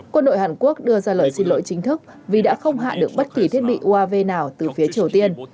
quân đội hàn quốc đưa ra lời xin lỗi chính thức vì đã không hạ được bất kỳ thiết bị uav nào từ phía triều tiên